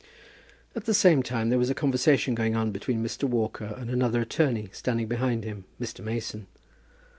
At the same time there was a conversation going on between Mr. Walker and another attorney standing behind him, Mr. Mason.